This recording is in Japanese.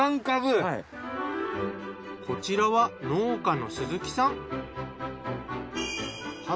こちらは農家の鈴木さん。